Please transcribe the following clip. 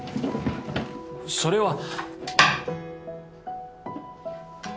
それは。